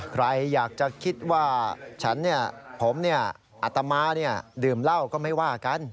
ใครอยากจะคิดว่าฉันผมอัตมาดื่มเหล้าก็ไม่ว่ากัน